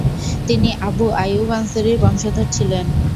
তিনি আবু আইয়ুব আনসারির বংশধর ছিলেন।